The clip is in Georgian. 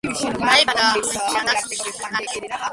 დაიბადა ლუიზიანას შტატში.